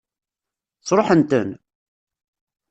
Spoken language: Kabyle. Sṛuḥen-ten?